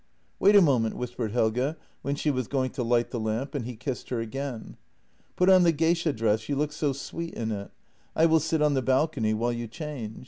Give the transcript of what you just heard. " Wait a moment," whispered Helge, when she was going to light the lamp, and he kissed her again. " Put on the geisha dress; you look so sweet in it. I will sit on the balcony while you change."